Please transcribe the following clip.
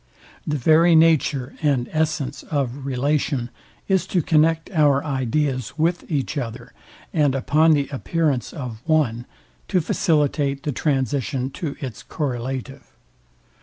The very nature and essence of relation is to connect our ideas with each other, and upon the appearance of one, to facilitate the transition to its correlative.